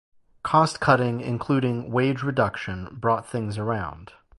Cost cutting, including wage reduction, brought things around.